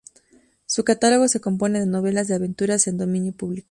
Su catálogo se compone de novelas de aventuras en dominio público.